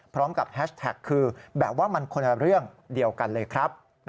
พร้อมกับแฮชแท็กคือแบบว่ามันคนละเรื่องเดียวกันเลยครับ